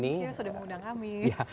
terima kasih sudah mengundang kami